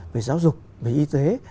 về giáo dục về y tế